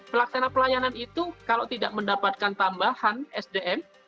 pelaksana pelayanan itu kalau tidak mendapatkan tambahan sdm